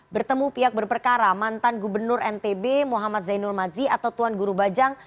bertemu pihak berperkara mantan gubernur ntb muhammad zainul mazi atau tuan guru bajang